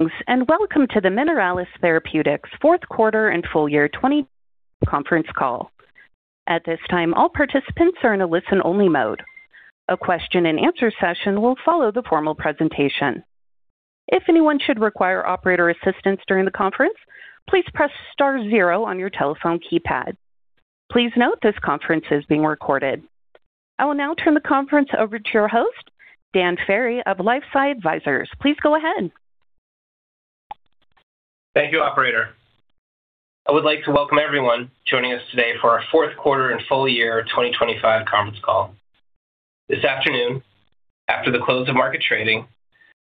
Welcome to the Mineralys Therapeutics fourth quarter and full year 20 conference call. At this time, all participants are in a listen-only mode. A question-and-answer session will follow the formal presentation. If anyone should require operator assistance during the conference, please press star zero on your telephone keypad. Please note this conference is being recorded. I will now turn the conference over to your host, Dan Ferry of LifeSci Advisors. Please go ahead. Thank you, operator. I would like to welcome everyone joining us today for our fourth quarter and full year 2025 conference call. This afternoon, after the close of market trading,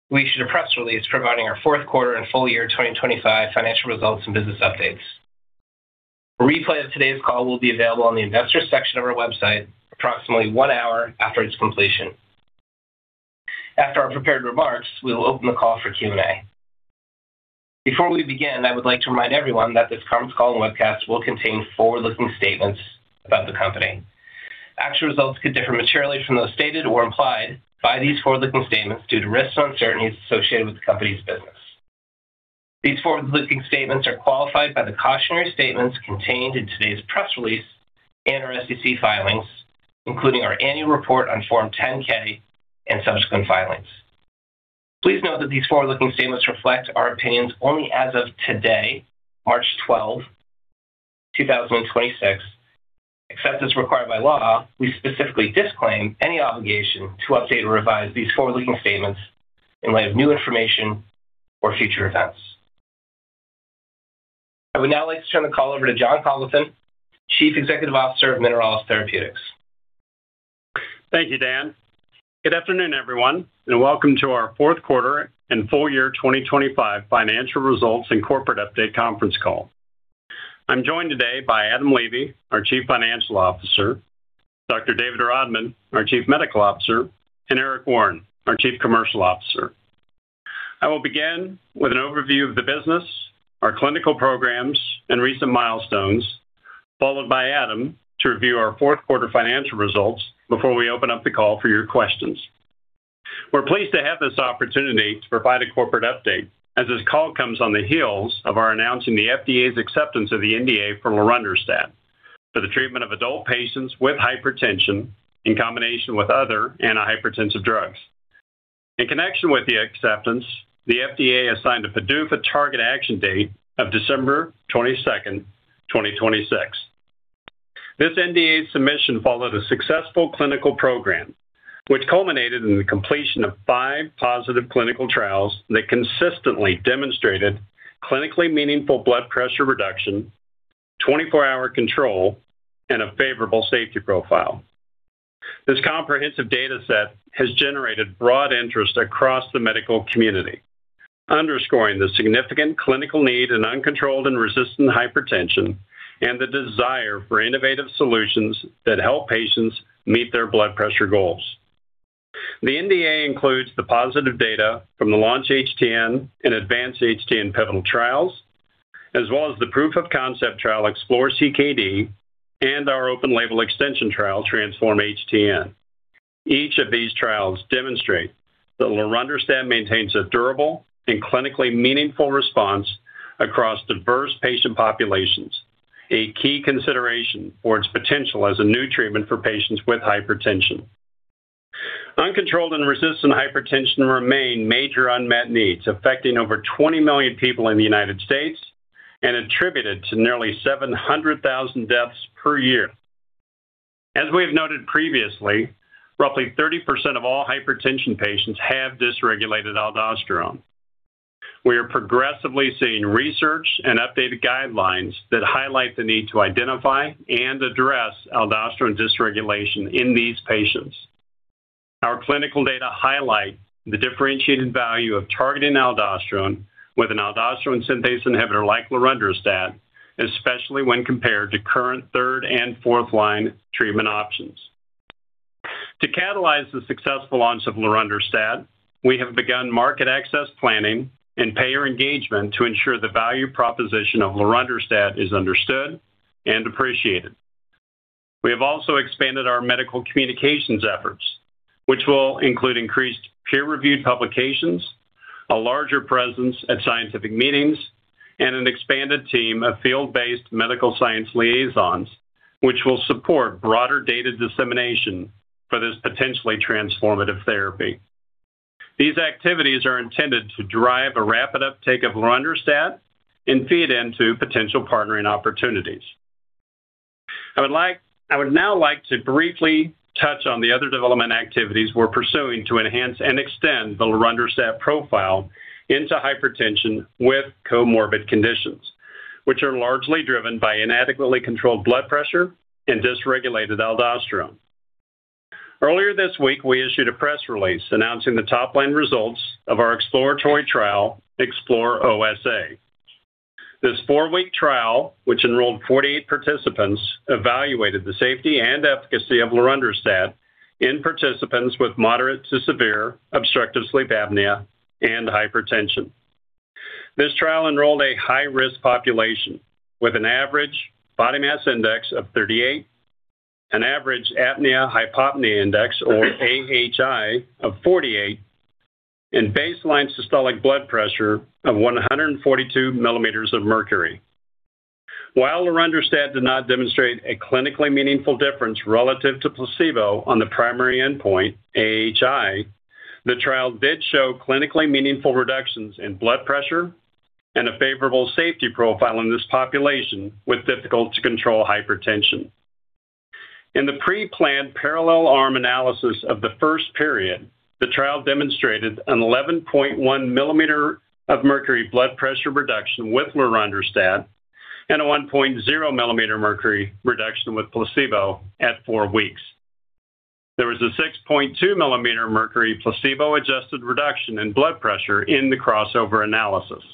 we issued a press release providing our fourth quarter and full year 2025 financial results and business updates. A replay of today's call will be available on the investors section of our website approximately one hour after its completion. After our prepared remarks, we will open the call for Q&A. Before we begin, I would like to remind everyone that this conference call and webcast will contain forward-looking statements about the company. Actual results could differ materially from those stated or implied by these forward-looking statements due to risks and uncertainties associated with the company's business. These forward-looking statements are qualified by the cautionary statements contained in today's press release and our SEC filings, including our annual report on Form 10-K and subsequent filings. Please note that these forward-looking statements reflect our opinions only as of today, March 12th, 2026. Except as required by law, we specifically disclaim any obligation to update or revise these forward-looking statements in light of new information or future events. I would now like to turn the call over to Jon Congleton, Chief Executive Officer of Mineralys Therapeutics. Thank you, Dan. Good afternoon, everyone, and welcome to our fourth quarter and full year 2025 financial results and corporate update conference call. I'm joined today by Adam Levy, our Chief Financial Officer, Dr. David Rodman, our Chief Medical Officer, and Eric Warren, our Chief Commercial Officer. I will begin with an overview of the business, our clinical programs and recent milestones, followed by Adam to review our fourth quarter financial results before we open up the call for your questions. We're pleased to have this opportunity to provide a corporate update as this call comes on the heels of our announcing the FDA's acceptance of the NDA for lorundrostat for the treatment of adult patients with hypertension in combination with other antihypertensive drugs. In connection with the acceptance, the FDA assigned a PDUFA target action date of December 22nd, 2026. This NDA submission followed a successful clinical program which culminated in the completion of five positive clinical trials that consistently demonstrated clinically meaningful blood pressure reduction, twenty-four-hour control and a favorable safety profile. This comprehensive data set has generated broad interest across the medical community, underscoring the significant clinical need in uncontrolled and resistant hypertension and the desire for innovative solutions that help patients meet their blood pressure goals. The NDA includes the positive data from the Launch-HTN and Advance-HTN pivotal trials, as well as the proof-of-concept trial Explore-CKD and our open-label extension trial, Transform-HTN. Each of these trials demonstrate that lorundrostat maintains a durable and clinically meaningful response across diverse patient populations, a key consideration for its potential as a new treatment for patients with hypertension. Uncontrolled and resistant hypertension remain major unmet needs, affecting over 20 million people in the United States and attributed to nearly 700,000 deaths per year. As we have noted previously, roughly 30% of all hypertension patients have dysregulated aldosterone. We are progressively seeing research and updated guidelines that highlight the need to identify and address aldosterone dysregulation in these patients. Our clinical data highlight the differentiated value of targeting aldosterone with an aldosterone synthase inhibitor like lorundrostat, especially when compared to current third- and fourth-line treatment options. To catalyze the successful launch of lorundrostat, we have begun market access planning and payer engagement to ensure the value proposition of lorundrostat is understood and appreciated. We have also expanded our medical communications efforts, which will include increased peer-reviewed publications, a larger presence at scientific meetings, and an expanded team of field-based medical science liaisons, which will support broader data dissemination for this potentially transformative therapy. These activities are intended to drive a rapid uptake of lorundrostat and feed into potential partnering opportunities. I would now like to briefly touch on the other development activities we're pursuing to enhance and extend the lorundrostat profile into hypertension with comorbid conditions which are largely driven by inadequately controlled blood pressure and dysregulated aldosterone. Earlier this week, we issued a press release announcing the top line results of our exploratory trial, Explore-OSA. This 4-week trial, which enrolled 48 participants, evaluated the safety and efficacy of lorundrostat in participants with moderate to severe obstructive sleep apnea and hypertension. This trial enrolled a high-risk population with an average body mass index of 38. An average apnea-hypopnea index or AHI of 48 and baseline systolic blood pressure of 142 millimeters of mercury. While lorundrostat did not demonstrate a clinically meaningful difference relative to placebo on the primary endpoint, AHI, the trial did show clinically meaningful reductions in blood pressure and a favorable safety profile in this population with difficult to control hypertension. In the pre-planned parallel arm analysis of the first period, the trial demonstrated an 11.1 millimeters of mercury blood pressure reduction with lorundrostat and a 1.0 millimeters of mercury reduction with placebo at four weeks. There was a 6.2 millimeters of mercury placebo adjusted reduction in blood pressure in the crossover analysis.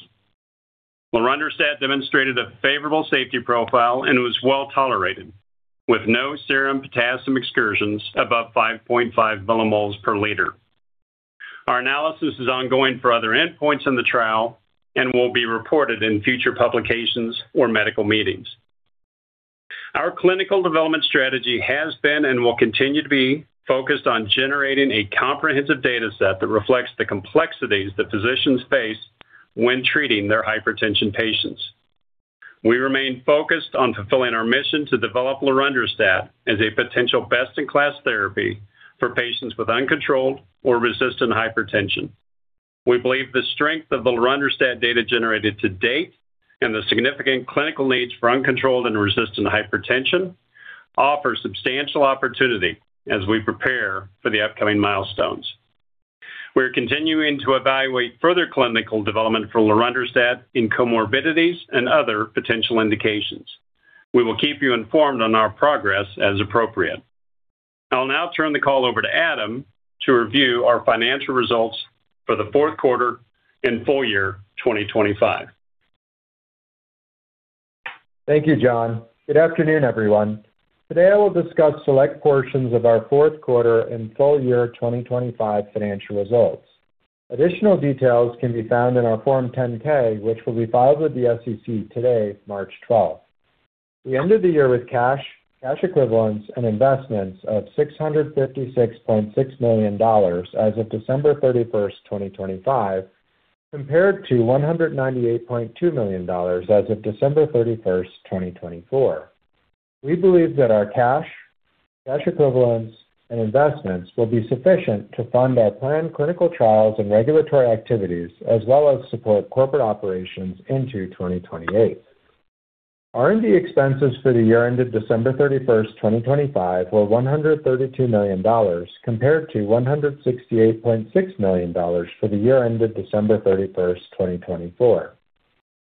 Lorundrostat demonstrated a favorable safety profile and was well tolerated with no serum potassium excursions above 5.5 millimoles per liter. Our analysis is ongoing for other endpoints in the trial and will be reported in future publications or medical meetings. Our clinical development strategy has been and will continue to be focused on generating a comprehensive data set that reflects the complexities that physicians face when treating their hypertension patients. We remain focused on fulfilling our mission to develop lorundrostat as a potential best-in-class therapy for patients with uncontrolled or resistant hypertension. We believe the strength of the lorundrostat data generated to date and the significant clinical needs for uncontrolled and resistant hypertension offer substantial opportunity as we prepare for the upcoming milestones. We are continuing to evaluate further clinical development for lorundrostat in comorbidities and other potential indications. We will keep you informed on our progress as appropriate. I'll now turn the call over to Adam to review our financial results for the fourth quarter and full year 2025. Thank you, Jon. Good afternoon, everyone. Today, I will discuss select portions of our fourth quarter and full year 2025 financial results. Additional details can be found in our Form 10-K, which will be filed with the SEC today, March 12th. We ended the year with cash equivalents and investments of $656.6 million as of December 31st, 2025, compared to $198.2 million as of December 31st, 2024. We believe that our cash equivalents and investments will be sufficient to fund our planned clinical trials and regulatory activities, as well as support corporate operations into 2028. R&D expenses for the year ended December 31st, 2025, were $132 million compared to $168.6 million for the year ended December 31st, 2024.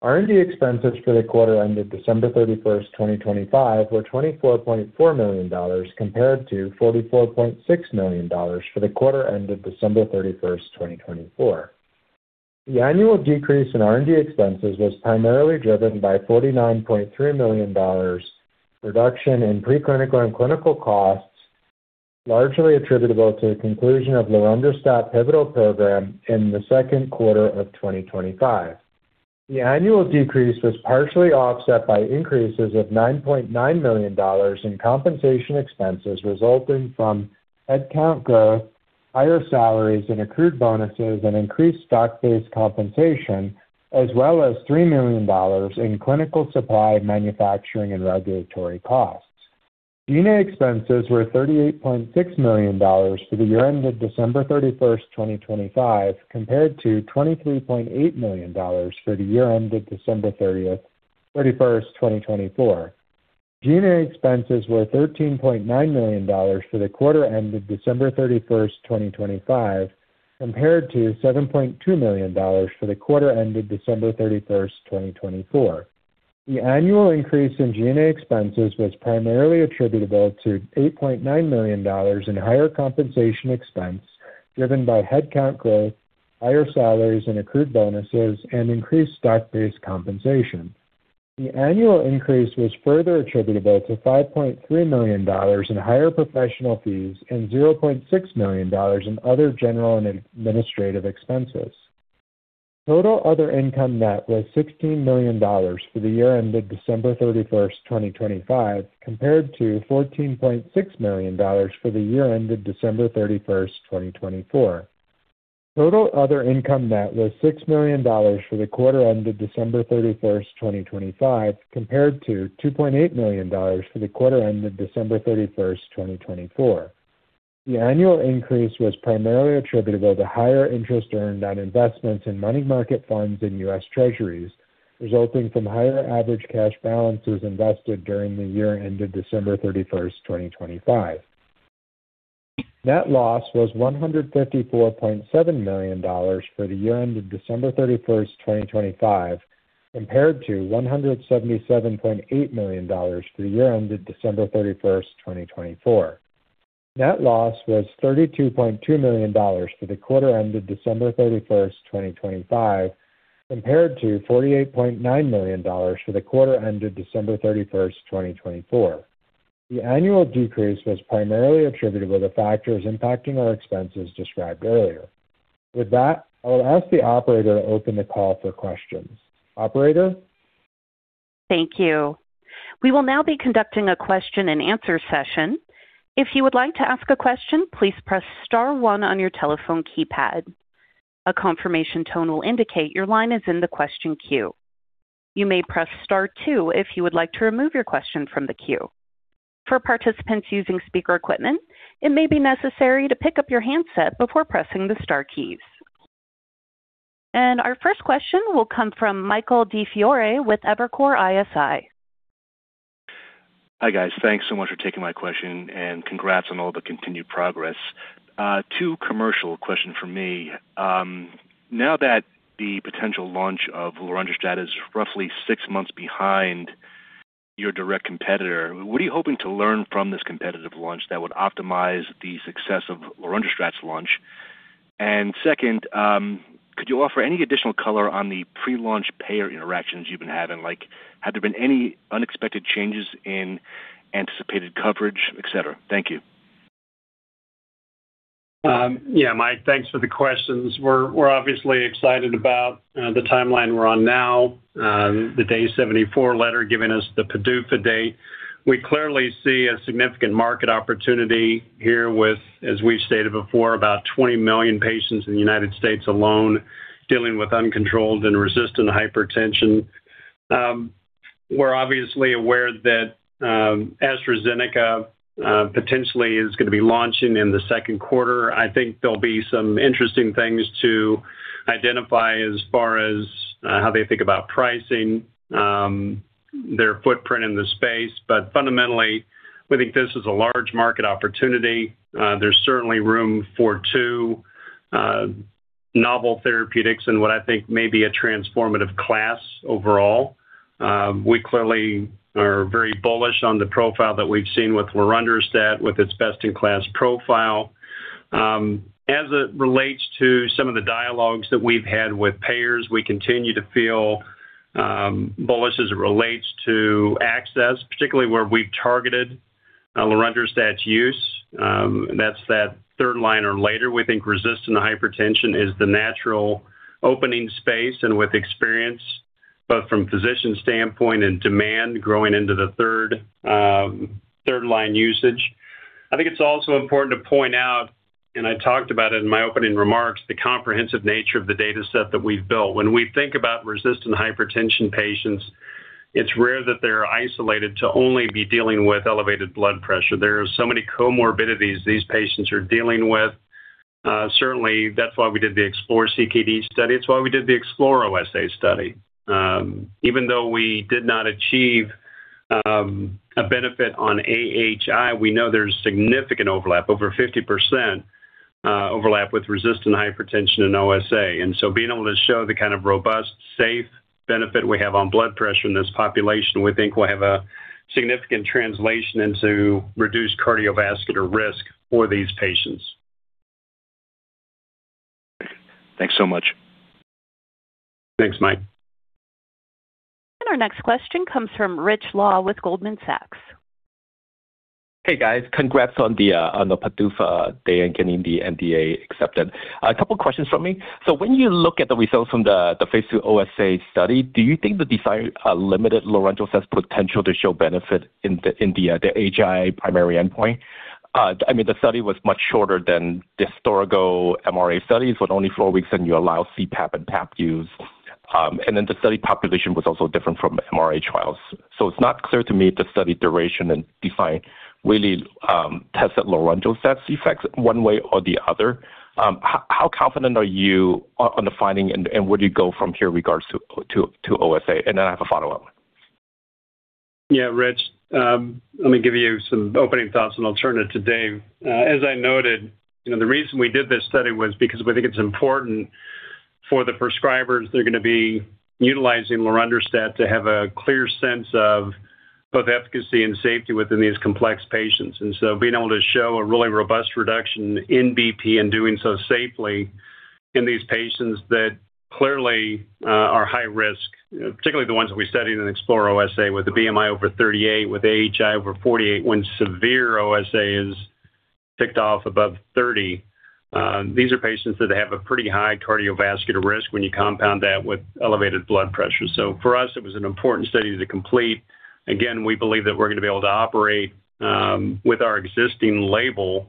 R&D expenses for the quarter ended December 31st, 2025, were $24.4 million compared to $44.6 million for the quarter ended December 31st, 2024. The annual decrease in R&D expenses was primarily driven by $49.3 million reduction in preclinical and clinical costs, largely attributable to the conclusion of lorundrostat pivotal program in the second quarter of 2025. The annual decrease was partially offset by increases of $9.9 million in compensation expenses resulting from headcount growth, higher salaries and accrued bonuses, and increased stock-based compensation, as well as $3 million in clinical supply, manufacturing and regulatory costs. G&A expenses were $38.6 million for the year ended December 31st, 2025, compared to $23.8 million for the year ended December 31st, 2024. G&A expenses were $13.9 million for the quarter ended December 31st, 2025, compared to $7.2 million for the quarter ended December 31st, 2024. The annual increase in G&A expenses was primarily attributable to $8.9 million in higher compensation expense, driven by headcount growth, higher salaries and accrued bonuses, and increased stock-based compensation. The annual increase was further attributable to $5.3 million in higher professional fees and $0.6 million in other general and administrative expenses. Total other income net was $16 million for the year ended December 31st, 2025, compared to $14.6 million for the year ended December 31, 2024. Total other income net was $6 million for the quarter ended December 31st, 2025, compared to $2.8 million for the quarter ended December 31st, 2024. The annual increase was primarily attributable to higher interest earned on investments in money market funds in US Treasuries, resulting from higher average cash balances invested during the year ended December 31, 2025. Net loss was $154.7 million for the year ended December 31st, 2025, compared to $177.8 million for the year ended December 31st, 2024. Net loss was $32.2 million for the quarter ended December 31st, 2025, compared to $48.9 million for the quarter ended December 31st, 2024. The annual decrease was primarily attributable to factors impacting our expenses described earlier. With that, I will ask the operator to open the call for questions. Operator? Thank you. We will now be conducting a question-and-answer session. If you would like to ask a question, please press star one on your telephone keypad. A confirmation tone will indicate your line is in the question queue. You may press star two if you would like to remove your question from the queue. For participants using speaker equipment, it may be necessary to pick up your handset before pressing the star keys. Our first question will come from Michael DiFiore with Evercore ISI. Hi, guys. Thanks so much for taking my question, and congrats on all the continued progress. Two commercial questions from me. Now that the potential launch of lorundrostat is roughly six months behind your direct competitor, what are you hoping to learn from this competitive launch that would optimize the success of lorundrostat's launch? Second, could you offer any additional color on the pre-launch payer interactions you've been having? Like, had there been any unexpected changes in anticipated coverage, et cetera? Thank you. Yeah, Mike, thanks for the questions. We're obviously excited about the timeline we're on now, the Day 74 letter giving us the PDUFA date. We clearly see a significant market opportunity here with, as we've stated before, about 20 million patients in the United States alone dealing with uncontrolled and resistant hypertension. We're obviously aware that AstraZeneca potentially is gonna be launching in the second quarter. I think there'll be some interesting things to identify as far as how they think about pricing, their footprint in the space. But fundamentally, we think this is a large market opportunity. There's certainly room for two novel therapeutics in what I think may be a transformative class overall. We clearly are very bullish on the profile that we've seen with lorundrostat with its best-in-class profile. As it relates to some of the dialogues that we've had with payers, we continue to feel, bullish as it relates to access, particularly where we've targeted, lorundrostat's use. That's that third line or later. We think resistant hypertension is the natural opening space and with experience, both from physician standpoint and demand growing into the third line usage. I think it's also important to point out, and I talked about it in my opening remarks, the comprehensive nature of the dataset that we've built. When we think about resistant hypertension patients, it's rare that they're isolated to only be dealing with elevated blood pressure. There are so many comorbidities these patients are dealing with. Certainly that's why we did the Explore-CKD study. It's why we did the Explore-OSA study. Even though we did not achieve a benefit on AHI, we know there's significant overlap over 50% with resistant hypertension in OSA. Being able to show the kind of robust, safe benefit we have on blood pressure in this population, we think will have a significant translation into reduced cardiovascular risk for these patients. Thanks so much. Thanks, Mike. Our next question comes from Rich Law with Goldman Sachs. Hey, guys. Congrats on the PDUFA day and getting the NDA accepted. A couple questions from me. When you look at the results from the phase II OSA study, do you think the design limited lorundrostat's potential to show benefit in the AHI primary endpoint? I mean, the study was much shorter than the STRN MRA studies, with only four weeks, and you allow CPAP and BiPAP use. Then the study population was also different from MRA trials. It's not clear to me if the study duration and design really tested lorundrostat's effects one way or the other. How confident are you on the finding, and where do you go from here in regards to OSA? Then I have a follow-up. Yeah, Rich. Let me give you some opening thoughts, and I'll turn it to Dave. As I noted, you know, the reason we did this study was because we think it's important for the prescribers that are gonna be utilizing lorundrostat to have a clear sense of both efficacy and safety within these complex patients. Being able to show a really robust reduction in BP and doing so safely in these patients that clearly are high risk, particularly the ones that we studied in Explore-OSA with a BMI over 38, with AHI over 48, when severe OSA is ticked off above 30, these are patients that have a pretty high cardiovascular risk when you compound that with elevated blood pressure. For us, it was an important study to complete. Again, we believe that we're gonna be able to operate with our existing label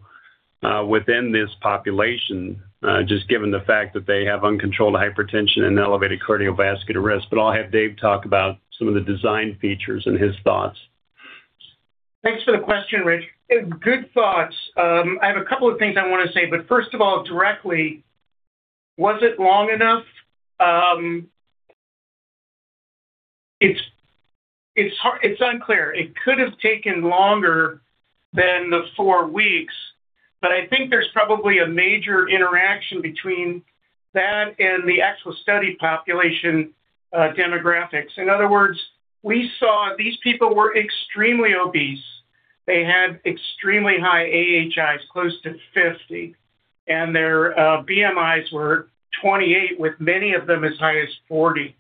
within this population just given the fact that they have uncontrolled hypertension and elevated cardiovascular risk. I'll have David talk about some of the design features and his thoughts. Thanks for the question, Rich. Good thoughts. I have a couple of things I wanna say. First of all, directly, was it long enough? It's unclear. It could have taken longer than the four weeks, but I think there's probably a major interaction between that and the actual study population demographics. In other words, we saw these people were extremely obese. They had extremely high AHIs, close to 50, and their BMIs were 28, with many of them as high as 40.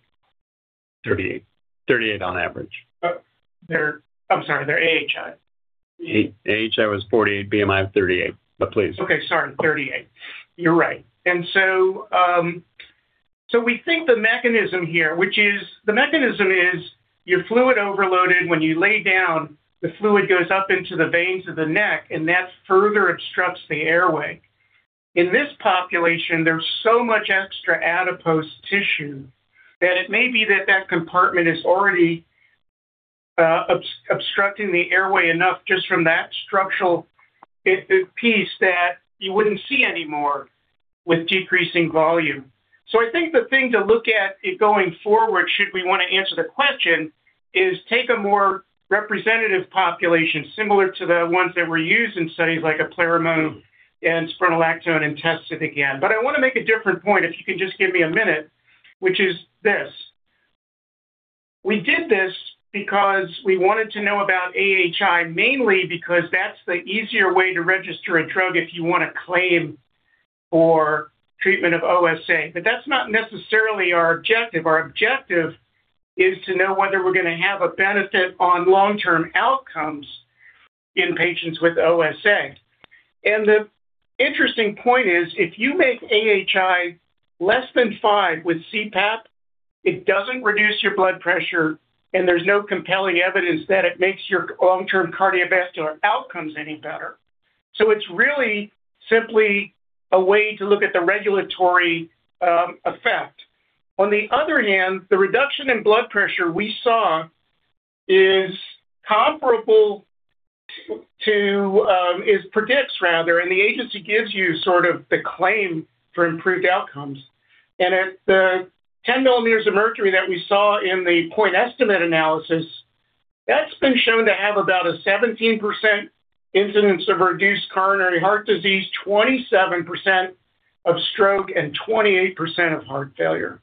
38. 38 on average. I'm sorry, their AHI. AHI was 48, BMI of 38. But please. Okay, sorry. 38. You're right. We think the mechanism here, which is you're fluid overloaded when you lay down, the fluid goes up into the veins of the neck, and that further obstructs the airway. In this population, there's so much extra adipose tissue that it may be that that compartment is already obstructing the airway enough just from that structural issue that you wouldn't see any more with decreasing volume. I think the thing to look at going forward, should we wanna answer the question, is take a more representative population similar to the ones that were used in studies like Eplerenone and Spironolactone and test it again. I wanna make a different point, if you can just give me a minute, which is this. We did this because we wanted to know about AHI, mainly because that's the easier way to register a drug if you want to claim for treatment of OSA. That's not necessarily our objective. Our objective is to know whether we're gonna have a benefit on long-term outcomes in patients with OSA. The interesting point is, if you make AHI less than five with CPAP, it doesn't reduce your blood pressure, and there's no compelling evidence that it makes your long-term cardiovascular outcomes any better. It's really simply a way to look at the regulatory effect. On the other hand, the reduction in blood pressure we saw is comparable to, it predicts rather, and the agency gives you sort of the claim for improved outcomes. At the 10 millimeters of mercury that we saw in the point estimate analysis, that's been shown to have about a 17% reduction in incidence of coronary heart disease, 27% reduction in incidence of stroke, and 28% reduction in incidence of heart failure.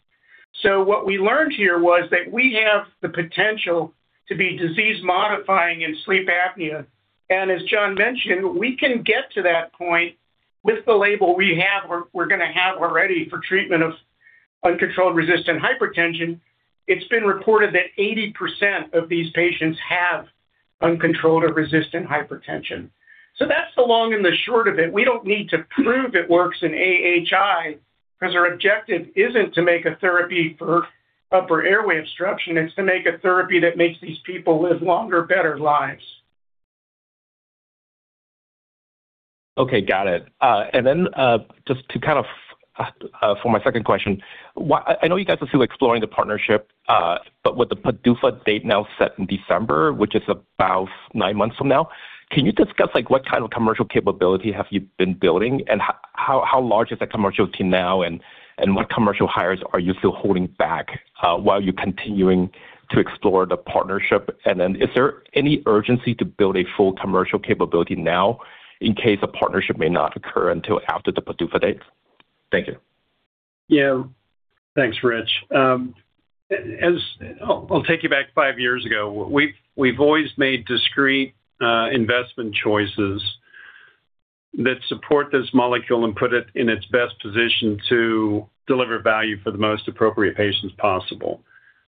What we learned here was that we have the potential to be disease-modifying in sleep apnea. As John mentioned, we can get to that point with the label we have or we're gonna have already for treatment of uncontrolled resistant hypertension. It's been reported that 80% of these patients have uncontrolled or resistant hypertension. That's the long and the short of it. We don't need to prove it works in AHI because our objective isn't to make a therapy for upper airway obstruction. It's to make a therapy that makes these people live longer, better lives. Okay, got it. Then, just to kind of, for my second question, I know you guys are still exploring the partnership, but with the PDUFA date now set in December, which is about nine months from now, can you discuss, like, what kind of commercial capability have you been building, and how large is that commercial team now, and what commercial hires are you still holding back, while you're continuing to explore the partnership? Is there any urgency to build a full commercial capability now in case a partnership may not occur until after the PDUFA date? Thank you. Yeah. Thanks, Rich. I'll take you back five years ago. We've always made discrete investment choices that support this molecule and put it in its best position to deliver value for the most appropriate patients possible.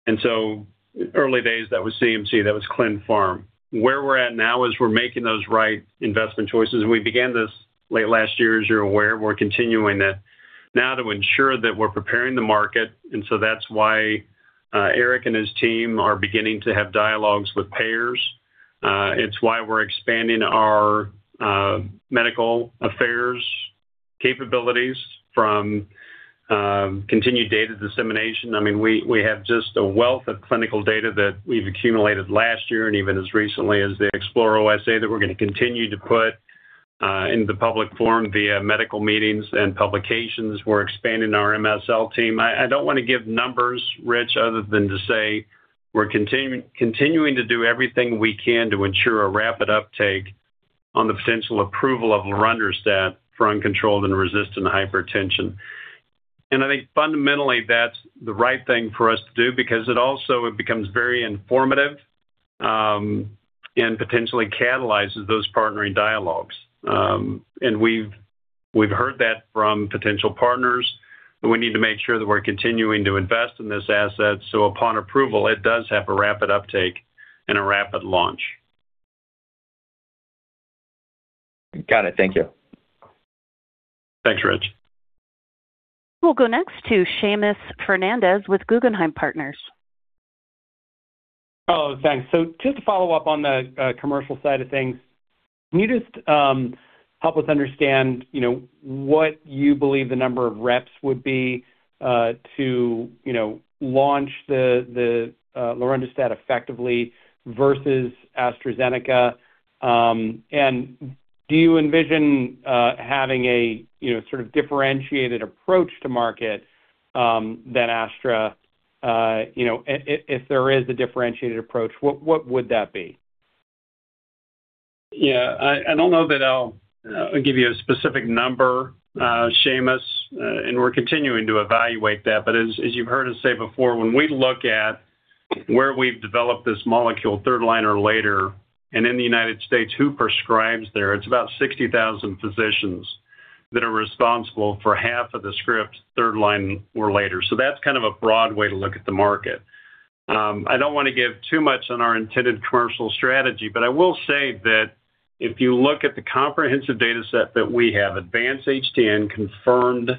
Early days, that was CMC, that was clinical pharmacology. Where we're at now is we're making those right investment choices, and we began this late last year, as you're aware. We're continuing that now to ensure that we're preparing the market. That's why Eric and his team are beginning to have dialogues with payers. It's why we're expanding our medical affairs capabilities from continued data dissemination. I mean, we have just a wealth of clinical data that we've accumulated last year and even as recently as the Explore-OSA that we're gonna continue to put into public forum via medical meetings and publications. We're expanding our MSL team. I don't wanna give numbers, Rich, other than to say we're continuing to do everything we can to ensure a rapid uptake on the potential approval of lorundrostat for uncontrolled and resistant hypertension. I think fundamentally, that's the right thing for us to do because it also becomes very informative and potentially catalyzes those partnering dialogues. We've heard that from potential partners, but we need to make sure that we're continuing to invest in this asset, so upon approval, it does have a rapid uptake and a rapid launch. Got it. Thank you. Thanks, Richard. We'll go next to Seamus Fernandez with Guggenheim Partners. Oh, thanks. Just to follow up on the commercial side of things, can you just help us understand, you know, what you believe the number of reps would be to, you know, launch the lorundrostat effectively versus AstraZeneca? And do you envision having a, you know, sort of differentiated approach to market than AstraZeneca? You know, if there is a differentiated approach, what would that be? Yeah. I don't know that I'll give you a specific number, Seamus, and we're continuing to evaluate that. As you've heard us say before, when we look at where we've developed this molecule third line or later and in the United States, who prescribes there, it's about 60,000 physicians that are responsible for half of the scripts third line or later. So that's kind of a broad way to look at the market. I don't want to give too much on our intended commercial strategy, but I will say that if you look at the comprehensive data set that we have, Advance-HTN confirmed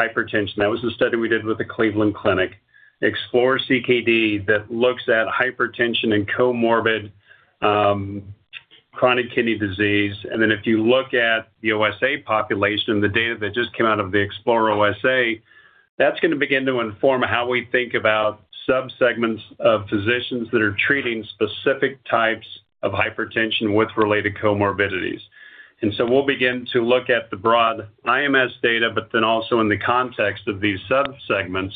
hypertension. That was the study we did with the Cleveland Clinic. Explore-CKD that looks at hypertension and comorbid chronic kidney disease. If you look at the OSA population, the data that just came out of the Explore-OSA, that's going to begin to inform how we think about subsegments of physicians that are treating specific types of hypertension with related comorbidities. We'll begin to look at the broad IMS data, but then also in the context of these subsegments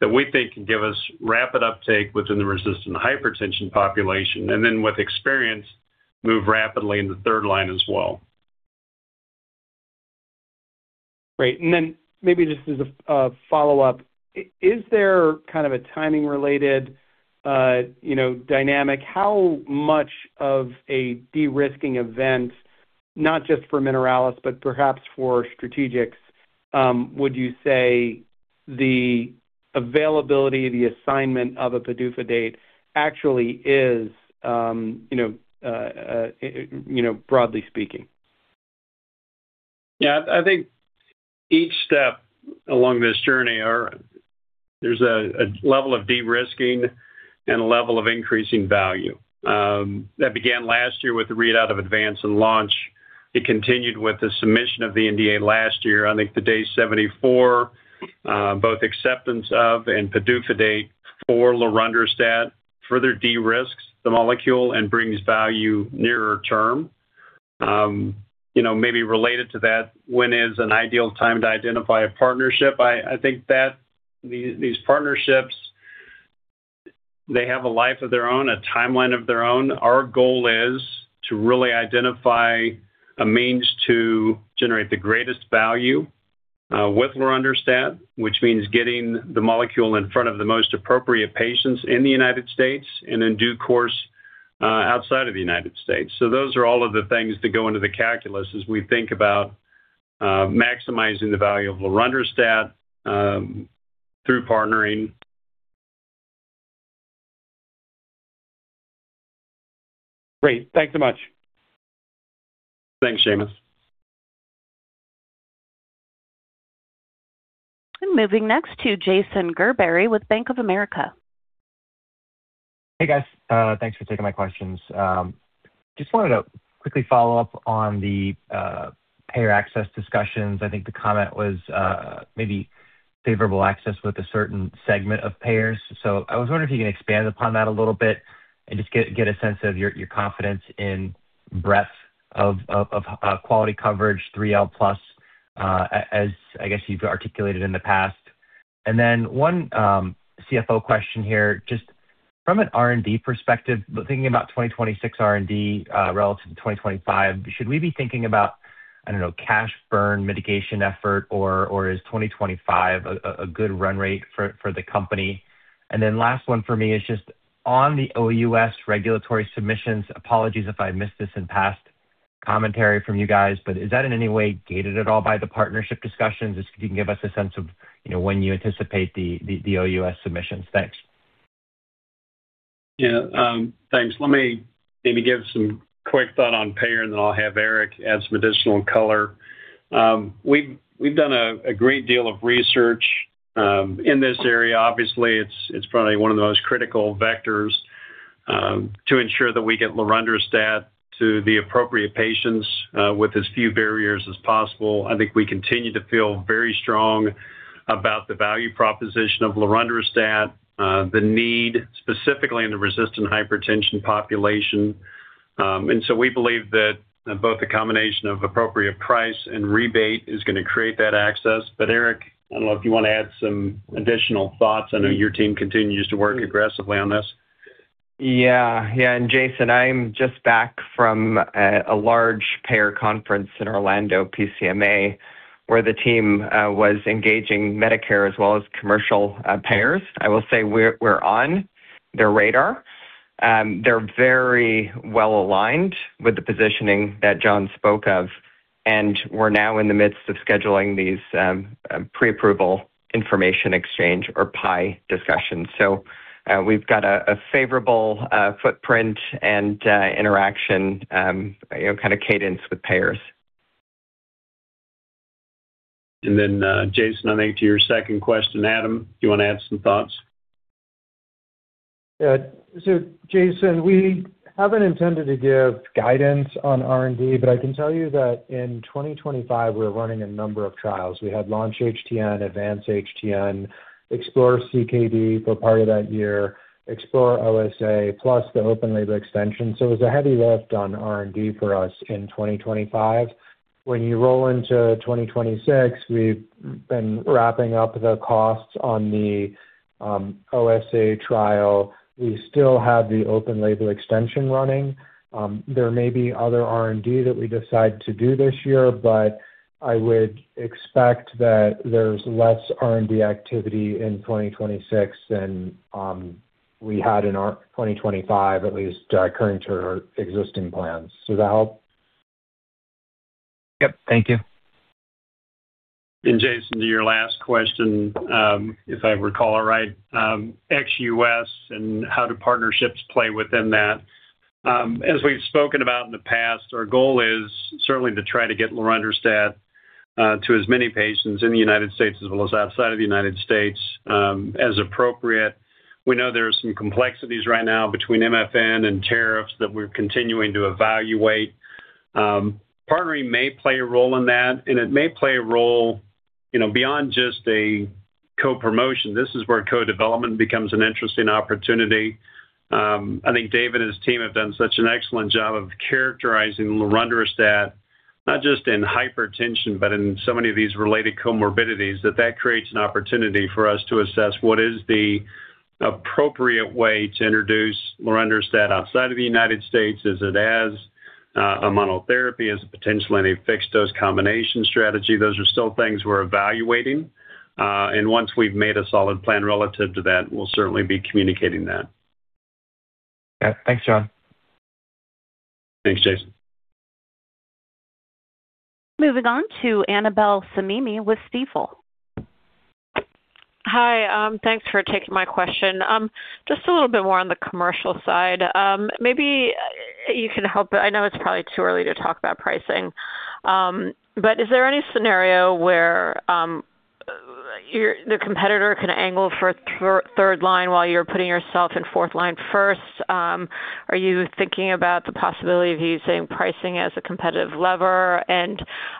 that we think can give us rapid uptake within the resistant hypertension population, and then with experience, move rapidly in the third line as well. Great. Maybe just as a follow-up. Is there kind of a timing related, you know, dynamic? How much of a de-risking event, not just for Mineralys, but perhaps for strategics, would you say the availability, the assignment of a PDUFA date actually is, you know, broadly speaking? Yeah. I think each step along this journey are. There's a level of de-risking and a level of increasing value. That began last year with the readout of Advance-HTN and Launch-HTN. It continued with the submission of the NDA last year. I think the Day 74 both acceptance of and PDUFA date for lorundrostat further de-risks the molecule and brings value nearer term. You know, maybe related to that, when is an ideal time to identify a partnership? I think that these partnerships, they have a life of their own, a timeline of their own. Our goal is to really identify a means to generate the greatest value with lorundrostat, which means getting the molecule in front of the most appropriate patients in the United States and in due course outside of the United States. Those are all of the things that go into the calculus as we think about maximizing the value of lorundrostat through partnering. Great. Thanks so much. Thanks, Seamus. I'm moving next to Jason Gerberry with Bank of America. Hey, guys. Thanks for taking my questions. Just wanted to quickly follow up on the payer access discussions. I think the comment was maybe favorable access with a certain segment of payers. I was wondering if you can expand upon that a little bit and just get a sense of your confidence in breadth of quality coverage, 3 L plus, as I guess you've articulated in the past. One CFO question here, just from an R&D perspective, thinking about 2026 R&D relative to 2025, should we be thinking about cash burn mitigation effort, or is 2025 a good run rate for the company? Last one for me is just on the OUS regulatory submissions. Apologies if I missed this in past commentary from you guys, but is that in any way gated at all by the partnership discussions? If you can give us a sense of, you know, when you anticipate the OUS submissions? Thanks. Yeah, thanks. Let me maybe give some quick thought on payer, and then I'll have Eric add some additional color. We've done a great deal of research in this area. Obviously, it's probably one of the most critical vectors to ensure that we get lorundrostat to the appropriate patients with as few barriers as possible. I think we continue to feel very strong about the value proposition of lorundrostat, the need specifically in the resistant hypertension population. We believe that both the combination of appropriate price and rebate is going to create that access. Eric, I don't know if you want to add some additional thoughts. I know your team continues to work aggressively on this. Jason, I'm just back from a large payer conference in Orlando, PCMA, where the team was engaging Medicare as well as commercial payers. I will say we're on their radar. They're very well-aligned with the positioning that John spoke of, and we're now in the midst of scheduling these pre-approval information exchange or PIE discussions. We've got a favorable footprint and interaction, you know, kind of cadence with payers. Jason, I think to your second question, Adam, do you want to add some thoughts? Yeah. Jason, we haven't intended to give guidance on R&D, but I can tell you that in 2025, we're running a number of trials. We had Launch-HTN, Advance-HTN, Explore-CKD for part of that year, Explore-OSA, plus the open label extension. It was a heavy lift on R&D for us in 2025. When you roll into 2026, we've been wrapping up the costs on the OSA trial. We still have the open label extension running. There may be other R&D that we decide to do this year, but I would expect that there's less R&D activity in 2026 than we had in our 2025, at least our current or existing plans. Does that help? Yep. Thank you. Jason, to your last question, if I recall it right, ex-US and how do partnerships play within that? As we've spoken about in the past, our goal is certainly to try to get lorundrostat to as many patients in the United States as well as outside of the United States as appropriate. We know there are some complexities right now between MFN and tariffs that we're continuing to evaluate. Partnering may play a role in that, and it may play a role, you know, beyond just a co-promotion. This is where co-development becomes an interesting opportunity. I think David and his team have done such an excellent job of characterizing lorundrostat, not just in hypertension, but in so many of these related comorbidities that creates an opportunity for us to assess what is the appropriate way to introduce lorundrostat outside of the United States. Is it as a monotherapy? Is it potentially in a fixed-dose combination strategy? Those are still things we're evaluating. Once we've made a solid plan relative to that, we'll certainly be communicating that. Yeah. Thanks, Jon. Thanks, Jason. Moving on to Annabel Samimy with Stifel. Hi. Thanks for taking my question. Just a little bit more on the commercial side. Maybe you can help. I know it's probably too early to talk about pricing. Is there any scenario where the competitor can angle for third line while you're putting yourself in fourth line first? Are you thinking about the possibility of using pricing as a competitive lever?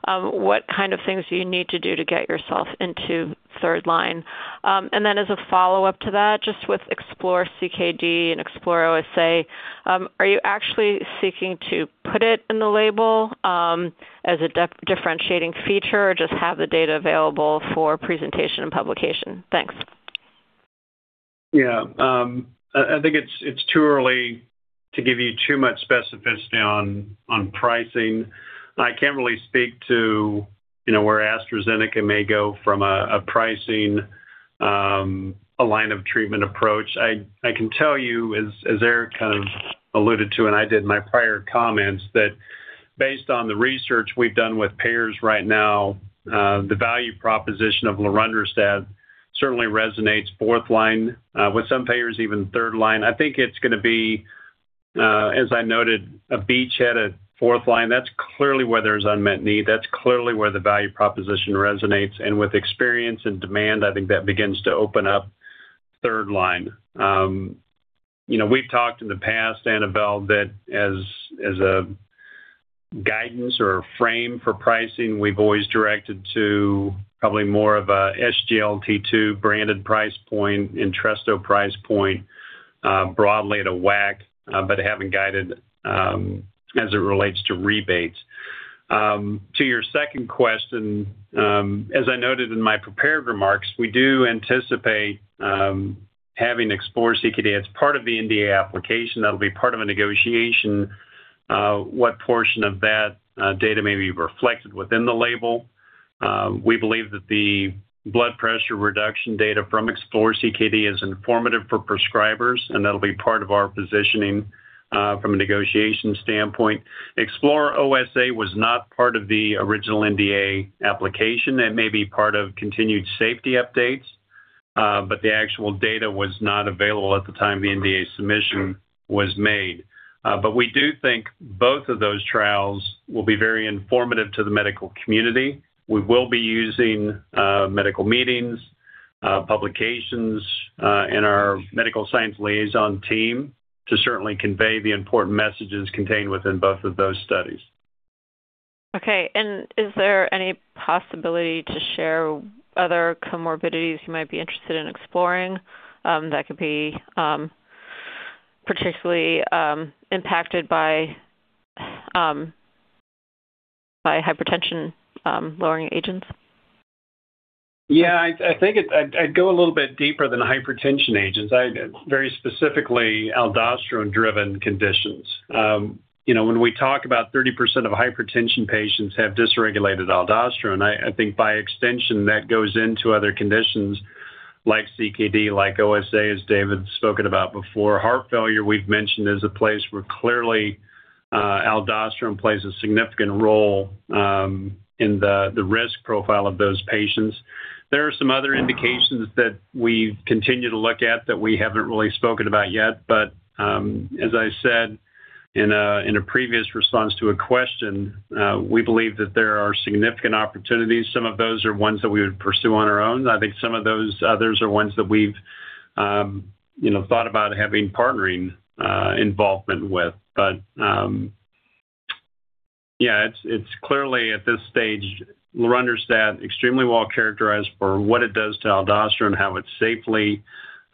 What kind of things do you need to do to get yourself into third line? As a follow-up to that, just with Explore-CKD and Explore-OSA, are you actually seeking to put it in the label, as a differentiating feature or just have the data available for presentation and publication? Thanks. Yeah. I think it's too early to give you too much specificity on pricing. I can't really speak to, you know, where AstraZeneca may go from a pricing line of treatment approach. I can tell you as Eric kind of alluded to and I did in my prior comments, that based on the research we've done with payers right now, the value proposition of lorundrostat certainly resonates fourth line with some payers even third line. I think it's gonna be, as I noted, a beachhead at fourth line. That's clearly where there's unmet need. That's clearly where the value proposition resonates. With experience and demand, I think that begins to open up third line. You know, we've talked in the past, Annabel, that as a guidance or a frame for pricing, we've always directed to probably more of a SGLT2 branded price point, Entresto price point, broadly at a WAC, but haven't guided as it relates to rebates. To your second question, as I noted in my prepared remarks, we do anticipate having Explore-CKD as part of the NDA application. That'll be part of a negotiation, what portion of that data may be reflected within the label. We believe that the blood pressure reduction data from Explore-CKD is informative for prescribers, and that'll be part of our positioning from a negotiation standpoint. Explore-OSA was not part of the original NDA application. That may be part of continued safety updates, but the actual data was not available at the time the NDA submission was made. We do think both of those trials will be very informative to the medical community. We will be using medical meetings, publications, and our medical science liaison team to certainly convey the important messages contained within both of those studies. Okay. Is there any possibility to share other comorbidities you might be interested in exploring, that could be particularly impacted by hypertension lowering agents? Yeah. I think I'd go a little bit deeper than hypertension agents, very specifically aldosterone-driven conditions. You know, when we talk about 30% of hypertension patients have dysregulated aldosterone, I think by extension that goes into other conditions like CKD, like OSA, as David's spoken about before. Heart failure we've mentioned is a place where clearly aldosterone plays a significant role in the risk profile of those patients. There are some other indications that we continue to look at that we haven't really spoken about yet. As I said in a previous response to a question, we believe that there are significant opportunities. Some of those are ones that we would pursue on our own. I think some of those others are ones that we've you know, thought about having partnering involvement with. Yeah. It's clearly at this stage lorundrostat extremely well characterized for what it does to aldosterone, how it safely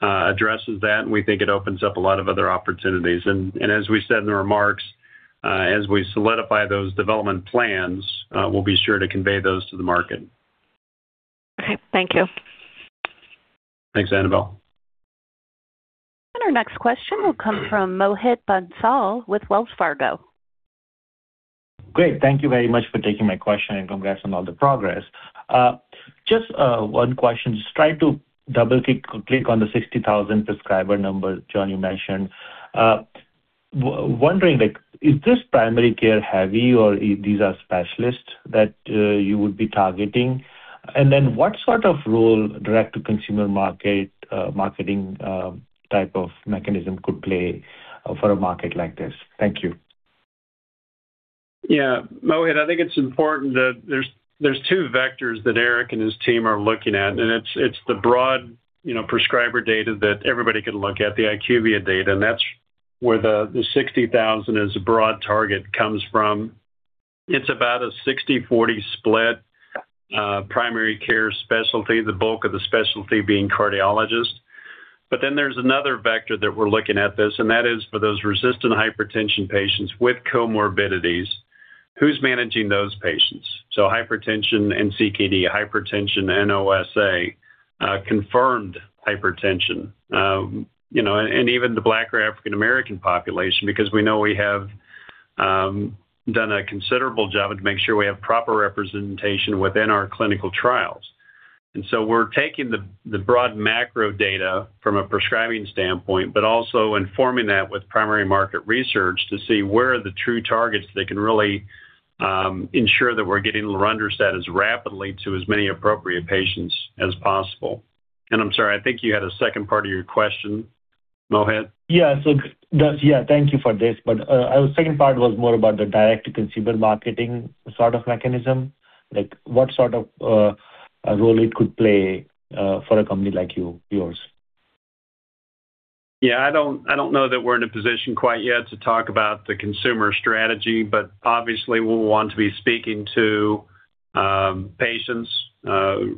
addresses that, and we think it opens up a lot of other opportunities. As we said in the remarks, as we solidify those development plans, we'll be sure to convey those to the market. Okay. Thank you. Thanks, Annabel. Our next question will come from Mohit Bansal with Wells Fargo. Great. Thank you very much for taking my question, and congrats on all the progress. Just one question. Just trying to double-click on the 60,000 prescriber number, Jon, you mentioned. Wondering like, is this primary care heavy or these are specialists that you would be targeting? What sort of role direct-to-consumer marketing type of mechanism could play for a market like this? Thank you. Yeah. Mohit, I think it's important that there's two vectors that Eric and his team are looking at, and it's the broad, you know, prescriber data that everybody can look at, the IQVIA data. That's where the 60,000 as a broad target comes from. It's about a 60/40 split, primary care specialty, the bulk of the specialty being cardiologists. Then there's another vector that we're looking at, and that is for those resistant hypertension patients with comorbidities, who's managing those patients? Hypertension and CKD, hypertension and OSA, confirmed hypertension. You know, and even the Black or African American population, because we know we have done a considerable job to make sure we have proper representation within our clinical trials. We're taking the broad macro data from a prescribing standpoint, but also informing that with primary market research to see where are the true targets they can really ensure that we're getting lorundrostat as rapidly to as many appropriate patients as possible. I'm sorry, I think you had a second part of your question, Mohit. Yeah, thank you for this. Our second part was more about the direct-to-consumer marketing sort of mechanism. Like what sort of role it could play for a company like yours. Yeah. I don't know that we're in a position quite yet to talk about the consumer strategy, but obviously we'll want to be speaking to patients,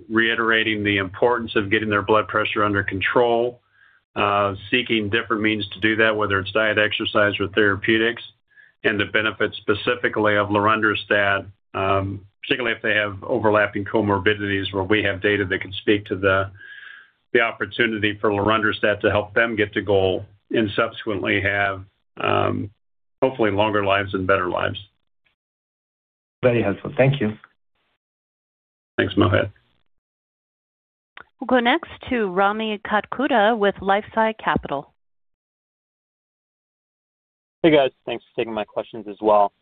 reiterating the importance of getting their blood pressure under control, seeking different means to do that, whether it's diet, exercise, or therapeutics, and the benefits specifically of lorundrostat, particularly if they have overlapping comorbidities where we have data that can speak to the opportunity for lorundrostat to help them get to goal and subsequently have hopefully longer lives and better lives. Very helpful. Thank you. Thanks, Mohit. We'll go next to Rami Katkhuda with LifeSci Capital. Hey, guys. Thanks for taking my questions as well.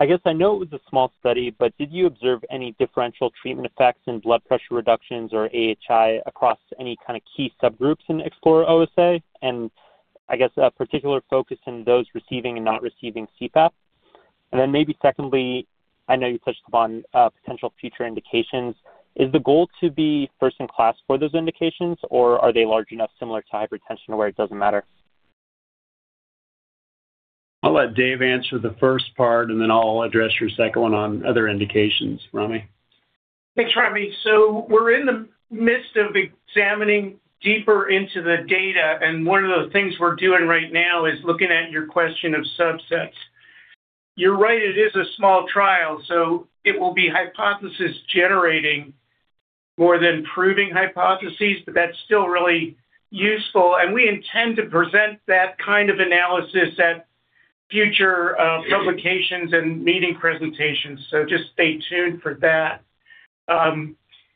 I guess I know it was a small study, but did you observe any differential treatment effects in blood pressure reductions or AHI across any kind of key subgroups in Explore-OSA? I guess a particular focus in those receiving and not receiving CPAP. Maybe secondly, I know you touched upon potential future indications. Is the goal to be first in class for those indications, or are they large enough similar to hypertension where it doesn't matter? I'll let David answer the first part, and then I'll address your second one on other indications, Rami. Thanks, Rami. We're in the midst of examining deeper into the data, and one of the things we're doing right now is looking at your question of subsets. You're right, it is a small trial, so it will be hypothesis generating more than proving hypotheses, but that's still really useful. We intend to present that kind of analysis at future publications and meeting presentations. Just stay tuned for that.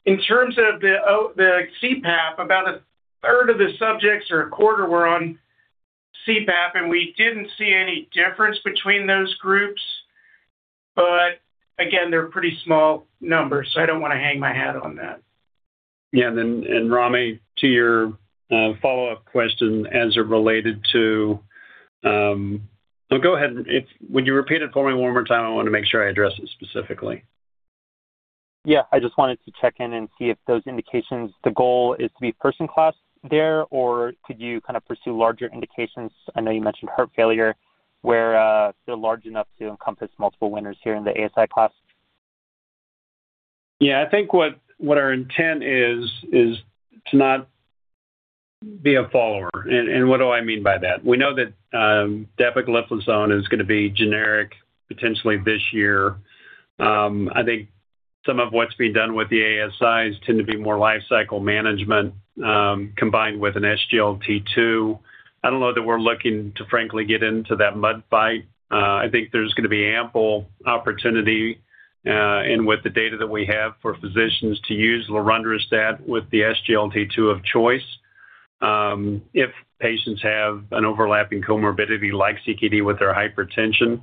In terms of the CPAP, about a third of the subjects or a quarter were on CPAP, and we didn't see any difference between those groups. Again, they're pretty small numbers, so I don't wanna hang my hat on that. Yeah. Then, Rami, to your follow-up question as it related to. Go ahead. Would you repeat it for me one more time? I wanna make sure I address it specifically. Yeah. I just wanted to check in and see if those indications, the goal is to be first in class there, or could you kind of pursue larger indications. I know you mentioned heart failure, where they're large enough to encompass multiple winners here in the ASI class? Yeah. I think what our intent is to not be a follower. What do I mean by that? We know that dapagliflozin is gonna be generic potentially this year. I think some of what's being done with the ASIs tend to be more lifecycle management combined with an SGLT2. I don't know that we're looking to frankly get into that mud fight. I think there's gonna be ample opportunity and with the data that we have for physicians to use lorundrostat with the SGLT2 of choice if patients have an overlapping comorbidity like CKD with their hypertension.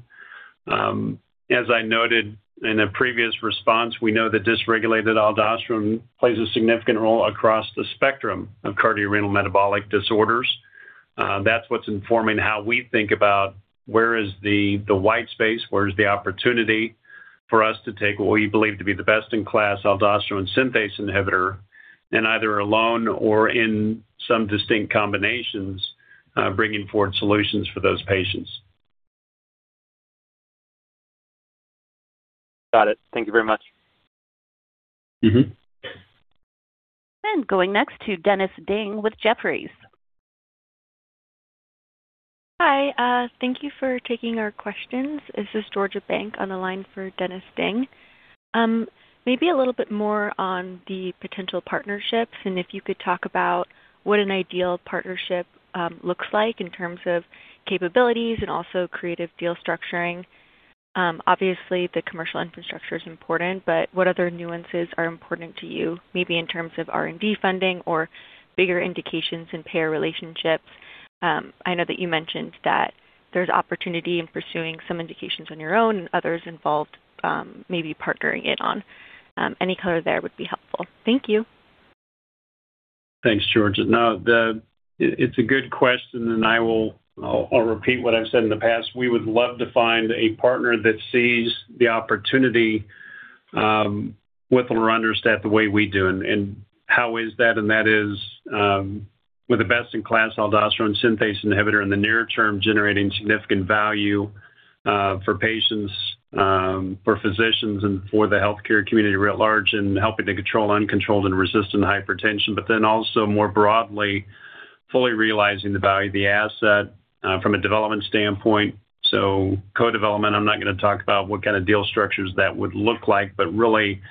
As I noted in a previous response, we know that dysregulated aldosterone plays a significant role across the spectrum of cardiorenal metabolic disorders. That's what's informing how we think about where is the white space, where is the opportunity for us to take what we believe to be the best-in-class aldosterone synthase inhibitor and either alone or in some distinct combinations, bringing forward solutions for those patients. Got it. Thank you very much. Mm-hmm. Going next to Dennis Ding with Jefferies. Hi. Thank you for taking our questions. This is Georgia Bank on the line for Dennis Ding. Maybe a little bit more on the potential partnerships and if you could talk about what an ideal partnership looks like in terms of capabilities and also creative deal structuring. Obviously the commercial infrastructure is important, but what other nuances are important to you maybe in terms of R&D funding or bigger indications in payer relationships? I know that you mentioned that there's opportunity in pursuing some indications on your own and others involved, maybe partnering on it. Any color there would be helpful. Thank you. Thanks, Georgia. No, it's a good question, and I'll repeat what I've said in the past. We would love to find a partner that sees the opportunity with lorundrostat the way we do. How is that? That is, with the best-in-class aldosterone synthase inhibitor in the near term generating significant value for patients, for physicians, and for the healthcare community writ large in helping to control uncontrolled and resistant hypertension. Then also more broadly, fully realizing the value of the asset from a development standpoint. Co-development, I'm not gonna talk about what kind of deal structures that would look like, but really,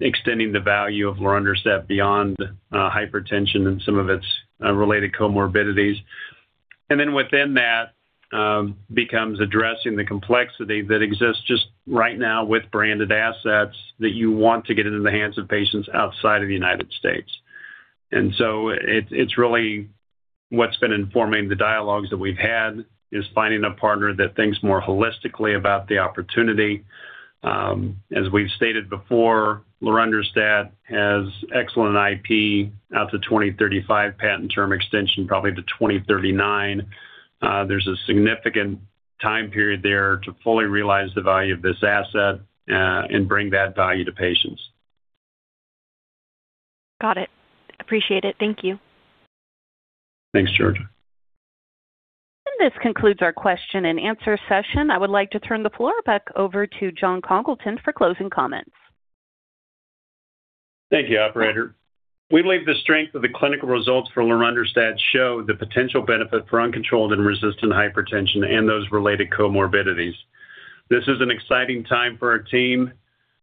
extending the value of lorundrostat beyond hypertension and some of its related comorbidities. Within that, becomes addressing the complexity that exists just right now with branded assets that you want to get into the hands of patients outside of the United States. It's really what's been informing the dialogues that we've had is finding a partner that thinks more holistically about the opportunity. As we've stated before, lorundrostat has excellent IP out to 2035, patent term extension probably to 2039. There's a significant time period there to fully realize the value of this asset, and bring that value to patients. Got it. Appreciate it. Thank you. Thanks, Georgia. This concludes our question-and-answer session. I would like to turn the floor back over to Jon Congleton for closing comments. Thank you, operator. We believe the strength of the clinical results for lorundrostat show the potential benefit for uncontrolled and resistant hypertension and those related comorbidities. This is an exciting time for our team,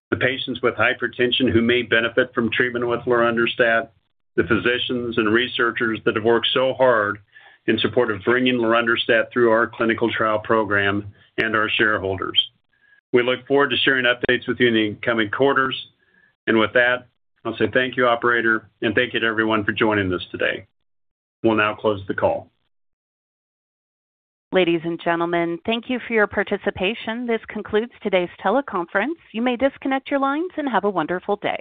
the patients with hypertension who may benefit from treatment with lorundrostat, the physicians and researchers that have worked so hard in support of bringing lorundrostat through our clinical trial program, and our shareholders. We look forward to sharing updates with you in the incoming quarters. With that, I'll say thank you, operator, and thank you to everyone for joining us today. We'll now close the call. Ladies and gentlemen, thank you for your participation. This concludes today's teleconference. You may disconnect your lines and have a wonderful day.